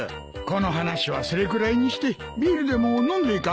この話はそれくらいにしてビールでも飲んでいかんか。